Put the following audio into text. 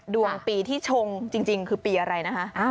ดวงปีที่ชงจริงคือปีอะไรนะคะ